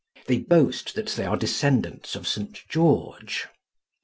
They boast that they are descendants of St. George.